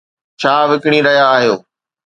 ڇا وڪڻي رهيا آهيو؟